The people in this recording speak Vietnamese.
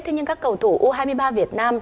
thế nhưng các cầu thủ u hai mươi ba việt nam